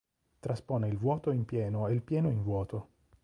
Traspone il vuoto in pieno e il pieno in vuoto.